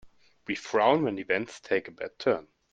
We frown when events take a bad turn.